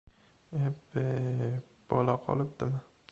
— Eb-ey, bola qolibdimi!..